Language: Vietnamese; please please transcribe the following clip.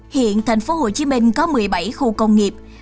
hiện thành phố hồ chí minh có một mươi bảy khu công nghiệp